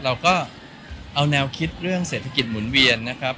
เราก็เอาแนวคิดเรื่องเศรษฐกิจหมุนเวียนนะครับ